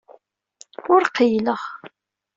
Ur qeyyleɣ.